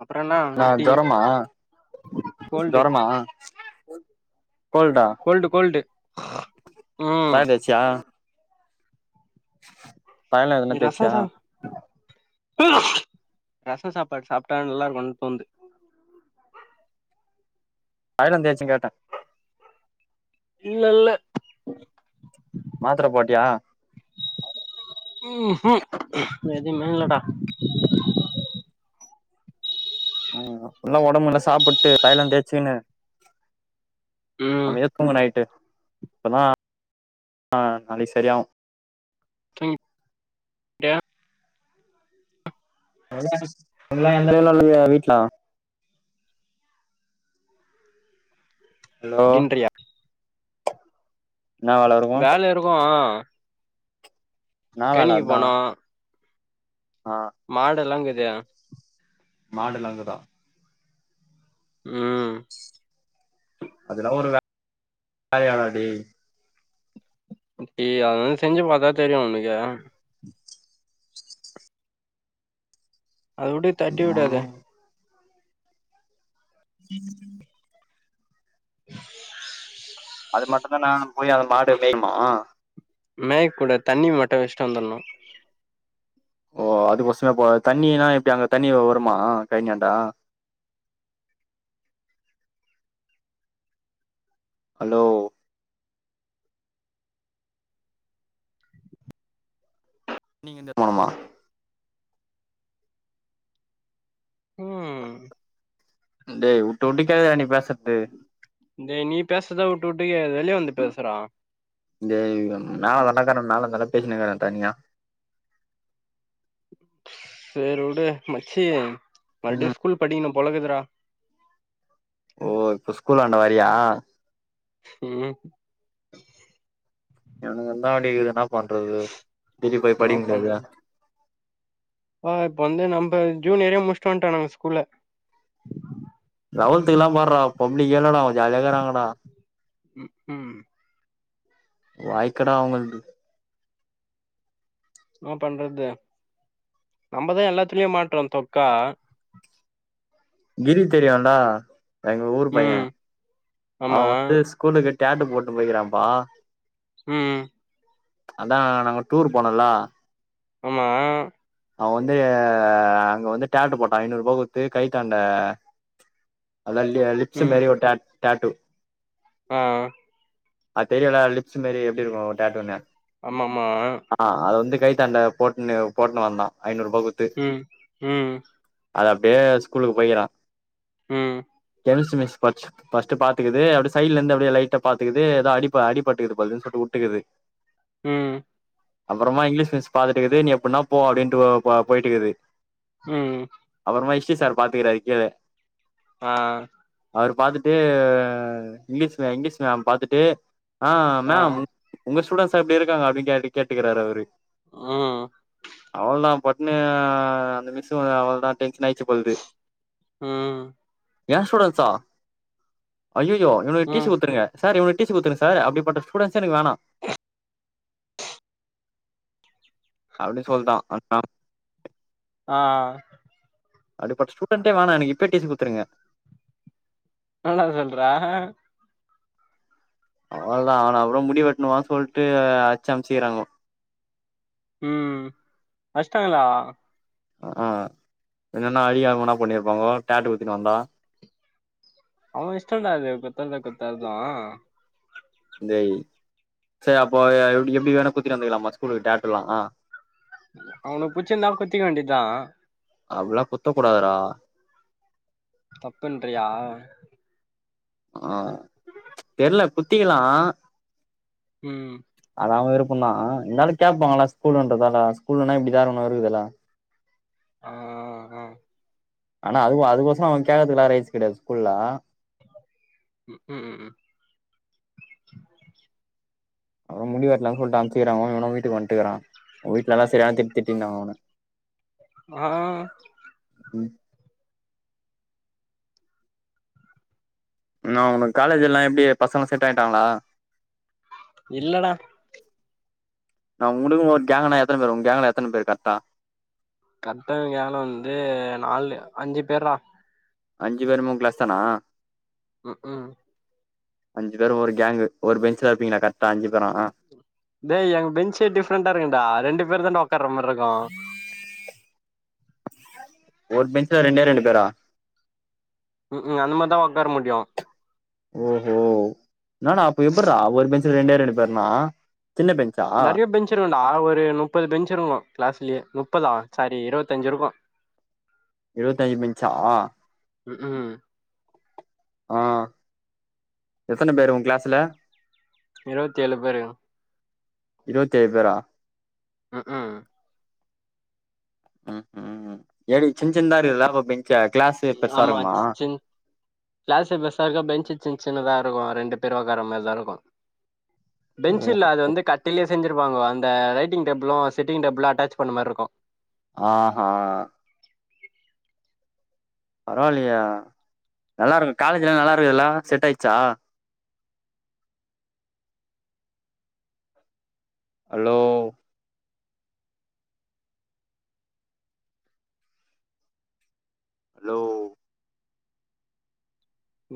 அப்புறம்னா நஹ எப்டி ஜரமா கோல்டு ஜரமா [inaudible] கோல்டு கோல்டு ஆஹ தாய தேச்சியா பயலாம் எதனா தேச்சியா ரசம் சாப்பாடு சாப்பிட்டான் நல்லா இருக்கும் தோந்து வயிலந்தயாச்சும் கேட்டேன் இல்ல இல்ல மாத்திர போட்டியா உஉஹ் எது இல்லடா உஹம் அப்படல்லாம் உடம்புல்ல சாப்பிட்டு தைய்லந்து தேய்ச்சுிக்கன்னு ம் அமக்கங்க நைய்ட்டு இப்பதான் ஆஹ் நாளைக்கு சரியாகும் அட எந்த வீட்ல ஹலோ அப்படின்றியா என்னா வேல இருக்கு வேலை இருக்கும் [inaudible] என்னா வேல கனிக்கு அதா போனோ ஆ மாடலாங்குது மாடுலங்குதான் உம் உம் அதெல்லாம் ஒரு வேல [inaudible] அடி டி அத செஞ்சு பாத்தா தெரியும் உனக்கு அது தட்டி விடாதே ம் உம் அது மட்டும்தான் நான் போய் அந்த மாடு மேயுமா மே கூட தண்ணி மட்டும் வச்சிட்டு வந்துரனும் ஓ அதுக்கசமே தண்ணில்லாம் இப்படி அங்க தண்ணி வருமா கைஞாண்டா ஹலோ நீங்க இந்த கோணுமா உம் டே விட்டு விட்டு கேட்குதடா நீ பேசுறது டே நீ பேசறதை விட்டு விட்டு கேட்குது வெளிய வந்து பேசுடா [unintelligible] பேசினைக்கன் தனியா செரு உடு மச்சி மறுபடி ம் ஸ்கூல் படிப் பொலகுதுராா ஓ இப்ப ஸ்கூல் அண்ட வரியா உம் எனக்குந்தான் அப்படி இருக்குதுடா பண்றது திருப்பி போய் படிங் ஆஹ் இப்ப வந்து நம்ம ஜூன் ஏரிய முடிச்சுட்டு வந்துட்ட நாங்க ஸ்கூல்ல பொம்பளேங்களா ஜாலியா இருகாங்கடா ம் ம் வாய்க்கடா அவங்களக்கு என்ன பண்றது நம்மதான் எல்லாத்துலயே மாட்டுறோம் தொக்கா கிரி தெரியும்ல எங்க ஊரு பையன் ம் ஆமா அவன் வந்து ஸ்கூலுக்கு டாடூ போட்டு போயிருக்குறான் பா உம் உம் அதா நாங்க டூர் போனோல ஆமா அவன் வந்து அங்க வந்து டாட்டூ போடான் ஐநூறு ரூபா குத்து கைதாண்ட அதலப்ஸ் மரி ஓட்ட ஆ டேட்டு ஆஹ் அது தெரில லிப்ஸ் மாரி எப்டி இருக்கு டாட்டூனு ஆமாமா கைதாண்ட போட்னு போட்னு வந்தா ஐநூறுபா குத்து உம் உம் அது அபடியே ஸ்கூலுகு போயிருகா ம் கெமிஸ்டி மிஸ் பச் ஃபர்ஸ்டு பாத்துக்குது அப்டி சைடுல இருந்து அப்டியே லைட்டா பாத்துக்குது ஏதோ அடி அடி பட்டுக்குதுப்பதுன்னு சொல்லி வுட்டுக்குது உம் அபுறமா இங்லீஷ் மிஸ் பாத்துடுகுது நீ எபுனா போ அபடினு போயிட்டு இருகுது உம் உம் [unintelligible] சார் பாத்துக்கறார் கீழ ஆஹ் அவரு பாத்ட் க்கு இங்லீஷ் மே இங்கலீஷ் மேம் பாத்துட்டு ஆஹ் ஆ மேம் உங்க ஸ்டுடண்ட்ஸ் இப்ப இப்டி இருக்காங்க அப்பிடினு கே கேட்டுகிறாரு அவரு ம் அவ்லாம் பட்னி அந்த மிஸ் வ அவ்வளோதான் டென்ஷனாச்சு பொல்து ம் எ ஸ்டுடன்சா ஐயோயோ [unintelligible] டீசி ம் குடுத்துருங்க சார் இவன டீசி குடுத்துங்க சார் அப்டி பட்ட ஸ்டூடெண்ட்ஸே எனக்கு வேணாம் அப்டி சொல்லதான் ஆனா ஆ அப்டிப்பட் ஸ்டூடெண்டே வேனா எனக்கு இப்பே டீசி குடுத்துருங்க [unintelligible] சொல்றா ஹ அவ்ளதான் அவன அப்றம் முடி வெட்டணவான்னு சொல்ட்டு அச்சு அமிச்சுக்கிறாங்கோ உம் அஷ்டாங்ல்லா ஆஹ் என்னன்னா அழியாகன்னா பண்ணிருப்பாங்கோ டேட்டு குத்திட்டு வந்தா அவ இஷ்டண்டா அது குத்ரது குத்தாதும் டேய் செரி அப்ப எ எபடி வேணா குத்திட்டு வந்துகலாமா ஸ்கூலு டேட்டுலா அவனு புச்சுந்தாள் குத்திக்கவேண்டிதா [unintelligible] குத்த கூடாதுடா தப்புன்றியா ஆஹ் தெரல குத்திகலாம் உம் அவன் விருப்பதா இருந்தாலு கேபாங்களா ஸ்கூல்ன்றதால ஸ்கூல்னா இப்டிதானு இருகுதுல ஆஹ் ஆஹ் ஆனா அது அதுக் கோசம் அவன் கேக்றதுகுலா ரைட்ஸ் கிடையாது ஸ்கூல்ல உம் உம் அப்பறம் முடி வெட்டலாம் சொல்லிட்டு அனுப்புச்சிக்கிறாங்க இவனு வீட்டுக்கு வந்துட்டுக்கறான் வீட்டுல எல்லா சரியான திட்டி திட்டிட்டு இருந்தா அவன ஆஹ் உம் நா உனக்கு காலேஜ் எல்லாம் எப்டி பசங்க செட் ஆயிட்டாங்களா இல்லடா நா உங்களுக்கோரு கேங்னா எத்தன பேரு உங்க கேங்ல எத்தன பேரு கரக் டா கட்ட கலம் வந்து நாலு அஞ்சு பேர்ரா அஞ்சு பேருமே உன் கிளாஸ் தானா உம் உம் அஞ்சு பேரும் ஒரு கேங்கு ஒரு பெஞ்சல இருப்பீங்களா கரெட்டா அஞ்சு பேரா டேய் எங்க பெஞ்சு ஏ டிஃப்ரெண்டா இருக்குடா ரெண்டு பேர் தான் உக்கார மாரி இருக்கும் ஒரு பெஞ்ல ரெண்டே ரெண்டு பேரா உம் அந்த மாரிதான் உட்கார முடியும் ஓஹோ நானா அப்ப எப்புறா ஓரு பெஞ்ச்ல ரெண்டே ரெண்டு பேர்னா சின்ன பெஞ்சா நிறைய பெஞ்ச் இருக்கும்டா ஒரு முப்பது பெஞ்ச் இருக்கும் கிளாஸ்லயே முப்பதா சாரி இருவதஞ்சு இருக்கு இருபதஞ்சு பெஞ்சா உம் உம் ஆஹ் எத்தன பேரு உன் கிளாஸ்ல இருவத்தி ஏழு பேரு இருபத்த எழுபேரா உம் உம் உம் உம் எப்டி சின் சின்னதா இருக்கும்ல அப்போ பெஞ் ஆமா சின் கிளாசு பெருசா இருக்க பெஞ்சு சின் சின்தா இரு இருக்கும் ரெண்டு பேரு உக்காரா மாரிதான் இருக்கும் பெஞ் ஓ இல்ல அது வந்து கட்டுலே செஞ்சிருபாங்க அந்த writing table sitting table attach பண்ண மாரி இருக்கு ஆஹ்ஹா பரவாயில்லயா நல்லா இருக்கும் காலேஜ்ல்லாம் நல்லா இருக்குதுல்ல செட் ஆயிச்சா ஹலோ ஹலோ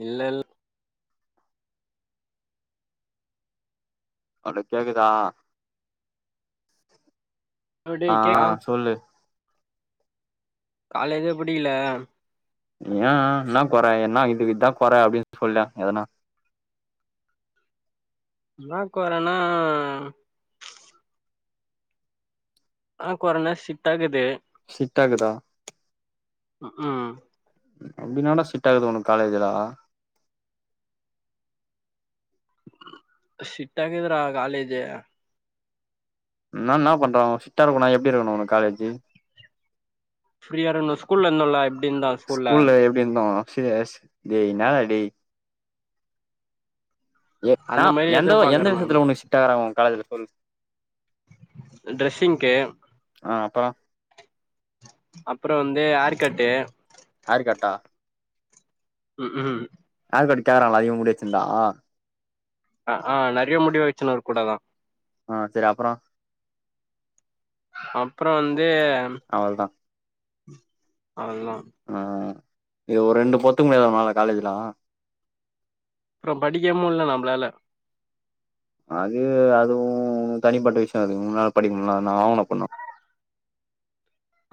இல்லல் உனக்கு கேக்குதா ஆஹ் சொல்லு காலேஜ்லே புடிக்கல ஏன் என்ன குற என்ன இதுக்கு இதுதான் குற அப்படின்னு சொல்லன் எதனா என்ன குறனா ஆஹ் குரான ஸ்ட்ரிக்ட்டாகீது ஸ்ட்ரிக்ட்டாகீதா ஆ ஹ அப்படி தான் டா செட் ஆகுது ஒனக்கு காலேஜ்ல செட்டாக்குதுரா காலேஜ் என்னான் என்ன பண்ற சிட்டா இருக்கண்ணா எப்படி இருக்கணும் உன காலேஜி ஃபிரியாருக்கணும் ஸ்கூல்ல இருந்தோல்ல ஸ்கூல்ல எப்படி இருந்தோம் செரி என்னடா டேய் ஏன் அந்த மாரி எந்த எந்த எதிர்பாக்குறே விஷயத்துல உன்னா செட்டாக்குறாங்க உங்க காலேஜ் சொல் ட்ரெஸ்ஸிங் க்கு ஆ அப்பறோ அப்புறம் வந்து ஆர்கட்டு ஆர்க்கெட்டா உம் உம் [unintelligible] அதிகமா முடியவச்சுந்தா அஹ் ஆஹ் நெறைய முடிவ வச்சுன்னரு இருக்ககூட தான் ஆஹ் செரி அப்புறம் அப்புறம் வந்து அவ்ளோதா து உ அவ்ளோ தான் ஆ ஒரு ரெண்டு பொத்துக்குடிய உன்னால காலேஜ்லாம் அப்புறம் படிக்கமல்ல நம்பளால அது அதுவும் தனிப்பட்ட விஷயம் அது அது ஒ தனிப்பட்ட விஷயம் அது முன்னாவது படிக்கும்போது இன்னவேனளும் வாங்கின பண்ணா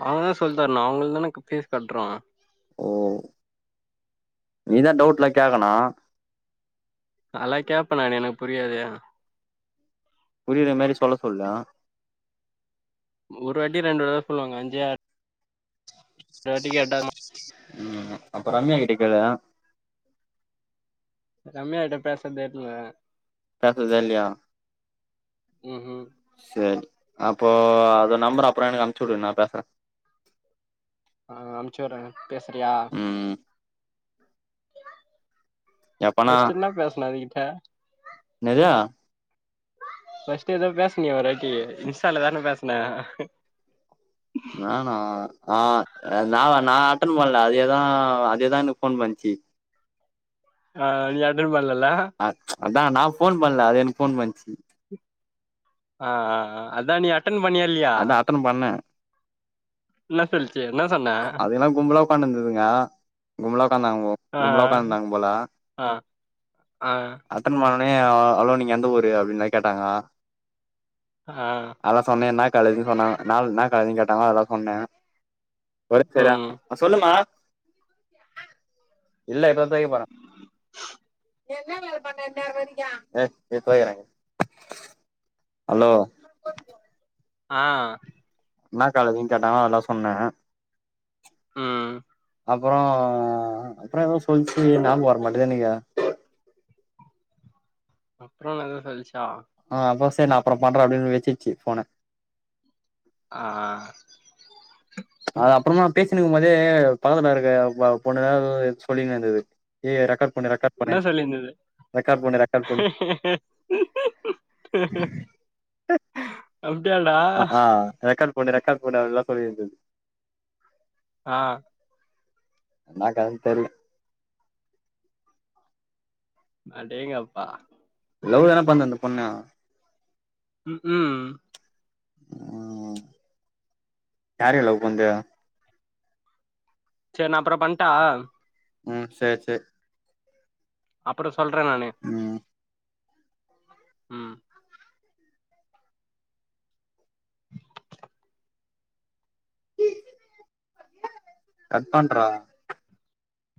அவங்கதான் சொல்லிதரனு நான் அவங்கள தான ஃபீஸ் கட்டுறோம் ஓ நீதான் டவுட்ல கேக்கனு அதல்லா கேட்பே நான் எனக்கு புரியாதது புரியிற மாதிரி சொல்ல சொல்லு ஒரு வாட்டி ரெண்டு தடவ தான் சொல்லுவாங்க அஞ்சுவாட்டி கேட்ட உம் அப்ப ரம்யா கிட்ட கேலு ரம்யா கிட்ட பேசுரது இல்ல பேசது இல்லையா ம் ம் செரி அப்போ அது நம்பற அப்புறம் எனக்கு அமுச்சு விடு நான் பேசுறேன் ஆஹ் அனுச்சு விடுறேன் பேசுறியா ம் எப்பனா பெஸ்டினா பேசலாம் வீட்ல [unintelligible] ஃபஸ்டு ஏதே பேசன ஒரு இன்ஸ்டால தான பேசுன நானும் ஆஹ் நான் நான் அட்டன் பண்ணல அதேதான் அதேதான் எனக்கு ஃபோன் பண்ணிச்சு ஆஹ் நீ யார்டையும் இல்ல அதான் நான் போன் பண்ணல அது எனக்கு போன் பண்ணிச்சு ஆஹ்ஹ் அதான் நீ அ ன் பனியல்லயா அதான் அட்டன் பண்ணேன் இன்ன சொல்ச்சி அதுல்லாம் கும்பலா உட்கா இருந்ததுங்க கும்பலா உட்காந்தாங்க ஆ கும்பலா உட்காபேல இருந்தாங்க போல ஆ ஆ அத்தனை ம உ ஹாலே நீங்க எந்த ஊரு அப்படின்னு கேட்டாங்க ஆ அதல்லாம் சொன்னேன் என்ன கழுதுனு சொன்னாங்க நால நான் கழுத கேட்டாங்க அதா சொன்னேன் ஒர சரா ம் சொல்லுமா [unintelligible] இல்ல இப்பற ஹலோ ஆஹ் என்னா காலேஜனு கேட்டாங்க அதெல்லாம் சொன்னேன் ஆஹம் [unintelligible] அப்புறம் அப்புறம் ஏதோ சொல்லிச்சு நான் வரமாட்டேனு நீங்க அப்புறம்தான் சொல்லச்சு [unintelligible] ஆஹ்ப்போ ச நான் அப்புறம் பண்றன் அப்படின்னு வச்சிட்டு போன ஆ [unintelligible] அது அப்புற மா பேசினுக்கும் போதே பதல இருக்க பொண்ணதா சொல்லிங்க இருக்குது ரெக்க என்ன சொல்லியிருந்தது ரெக்கார்ட் பண்ணு அப்படிய ஆஹ் ஆஹ்க்க [unintelligible] போன்ன ரெக்காட் போடல்லாம் சொல்லியிருந்தது ஆஹ் என்க்கத தெரியும் அடேங்கப்பா லவ் தான பண்ண அந்த பொண்ணா உம் உம் உம் யாரையா லவ் பண்ற செரி நான் அப்புறம் பண்ணிட்டா உம் செரி செரி அப்ற சொல்றேன் நானே ம் உம் கட் பண்றா